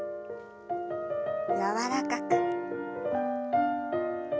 柔らかく。